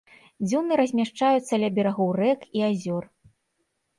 Дзюны размяшчаюцца ля берагоў рэк і азёр.